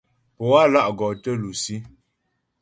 Pǒ á lá' gɔ tə lusí.